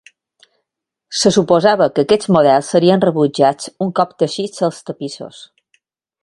Se suposava que aquests models serien rebutjats un cop teixits els tapissos.